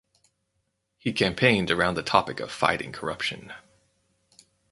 He campaigned around the topic of fighting corruption.